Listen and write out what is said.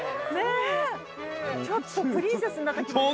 ちょっとプリンセスになった気分。